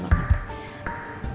mbak ngerti mbak ngerti